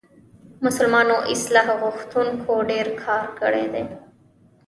مسلمانو اصلاح غوښتونکو ډېر کار کړی دی.